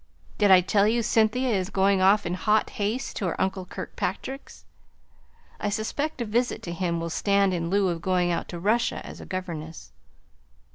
Did I tell you Cynthia is going off in hot haste to her uncle Kirkpatrick's? I suspect a visit to him will stand in lieu of going out to Russia as a governess."